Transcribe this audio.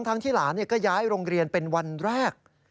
ที่หลานก็ย้ายโรงเรียนเป็นวันแรก